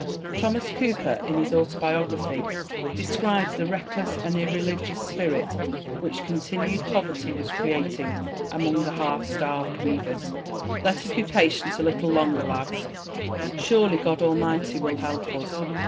Thomas Cooper in his Autobiography describes the reckless and irreligious spirit which continued poverty was creating among the half starved weavers: "'Let us be patient a little longer, lads, surely God Almighty will help us.'